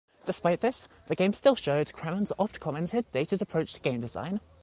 Despite this, the game still showed Crammond's oft-commented dated approach to game design.